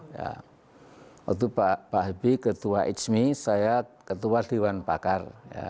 waktu pak habibie ketua hmi saya ketua dewan pakar